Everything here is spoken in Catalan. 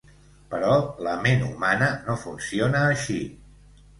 Però, la ment humana no funciona així.